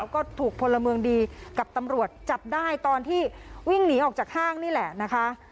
ก็ถูกพลเมืองดีกับตำรวจจับได้ตอนที่วิ่งหนีออกจากห้างนี่แหละนะคะ